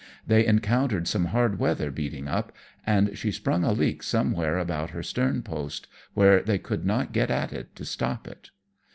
They encountered some hard weather beating up, and she sprung a leak somewhere about her stern post, where thev could not get at it to stop it.